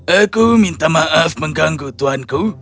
aku minta maaf mengganggu tuanku